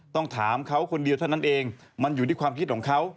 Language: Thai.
ต้องถามเขาคนเดียวเท่านั้นเองมันอยู่ที่ความคิดของเขา